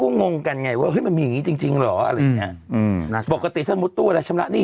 จะจะต้องยึดคืนหรือว่าจะจะให้เหมือนกับเสียค่าเช่าเออค่าเช่าหรือว่า